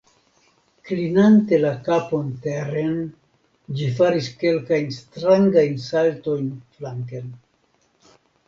Klinante la kapon teren, ĝi faris kelkajn strangajn saltojn flanken.